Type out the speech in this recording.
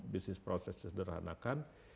bisnis proses sederhanakan